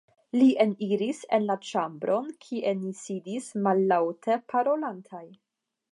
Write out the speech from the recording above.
Li eniris en la ĉambron, kie ni sidis mallaŭte parolantaj.